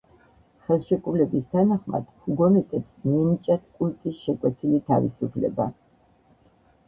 ხელშეკრულების თანახმად ჰუგენოტებს მიენიჭათ კულტის შეკვეცილი თავისუფლება.